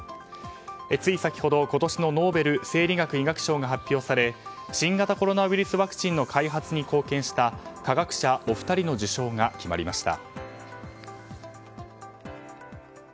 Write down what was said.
つい先ほど今年のノーベル生理学・医学賞が発表され新型コロナウイルスワクチンの開発に貢献した科学者お二人の受賞が決まりました。